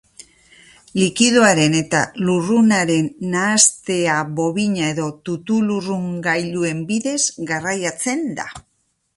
Likidoaren eta lurrunaren nahastea bobina- edo tutu-lurrungailuen bidez garraiatzen da.